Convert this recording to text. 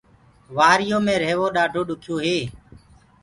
وري يو مي رهيوو ڏآڍو ڏُکيو هي۔